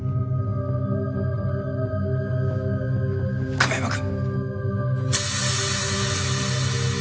亀山君！